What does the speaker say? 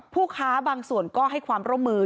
ผู้ค้าบางส่วนก็ให้ความร่วมมือ